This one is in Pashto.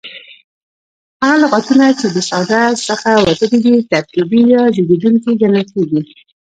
هغه لغتونه، چي د ساده څخه وتلي دي ترکیبي یا زېږېدونکي کڼل کیږي.